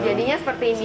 jadinya seperti ini